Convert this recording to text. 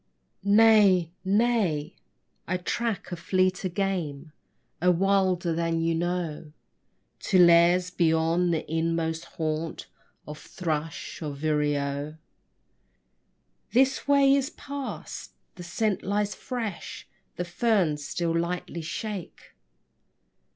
Nay nay. I track a fleeter game, A wilder than ye know, To lairs beyond the inmost haunt Of thrush or vireo. This way it passed: the scent lies fresh; The ferns still lightly shake.